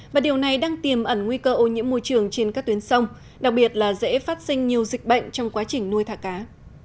và điều này đang tiềm ẩn nguy cơ ô nhiễm môi trường trên các tuyến sông đặc biệt là dễ phát sinh nhiều dịch bệnh trong quá trình nuôi thả cá